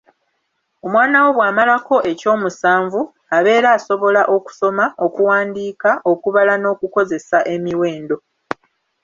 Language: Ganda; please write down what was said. Omwana wo bw'amalako eky'omusanvu, abeera asobola okusoma, okuwandiika okubala n'okukozesa emiwendo.